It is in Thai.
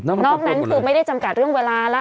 นอกนั้นคือไม่ได้จำกัดเรื่องเวลาแล้ว